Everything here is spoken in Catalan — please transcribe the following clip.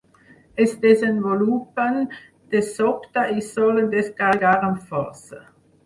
Es desenvolupen de sobte i solen descarregar amb força.